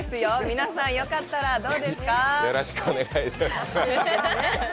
皆さん、よかったらどうですか。